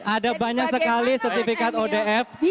ada banyak sekali sertifikat odf